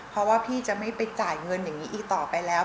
เพราะว่าพี่จะไม่ไปจ่ายเงินอย่างนี้อีกต่อไปแล้ว